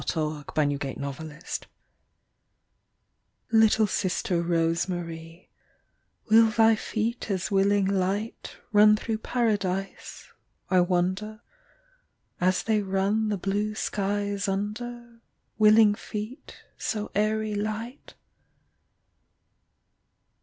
ROSE MARY OF THE ANGELS Little Sister Rose Marie, Will thy feet as willing light Run through Paradise, I wonder, As they run the blue skies under, Willing feet, so airy light?